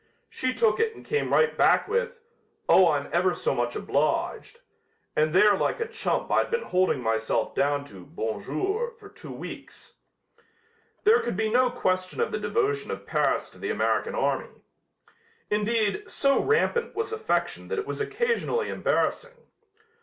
She took it and came right back with, 'Oh, I'm ever so much obliged,' and there like a chump I'd been holding myself down to 'bon jour' for two weeks." There could be no question of the devotion of Paris to the American army. Indeed, so rampant was affection that it was occasionally embarrassing.